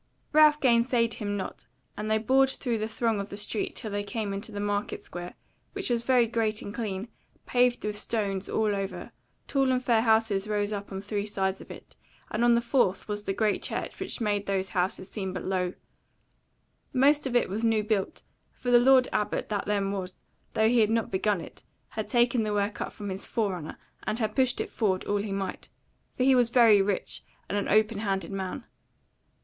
Ralph gainsaid him not, and they bored through the throng of the street till they came into the market square, which was very great and clean, paved with stones all over: tall and fair houses rose up on three sides of it, and on the fourth was the Great Church which made those houses seem but low: most of it was new built; for the lord Abbot that then was, though he had not begun it, had taken the work up from his forerunner and had pushed it forward all he might; for he was very rich, and an open handed man.